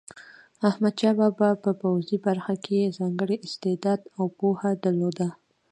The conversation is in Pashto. احمدشاه بابا په پوځي برخه کې ځانګړی استعداد او پوهه درلوده.